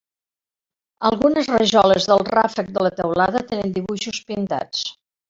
Algunes rajoles del ràfec de la teulada tenen dibuixos pintats.